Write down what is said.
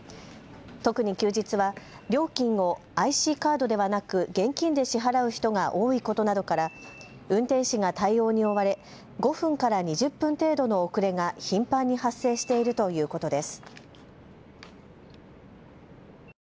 特に休日は料金をＩＣカードではなく現金で支払う人が多いことなどから運転士が対応に追われ５分から２０分程度の遅れが頻繁に発生しているということです。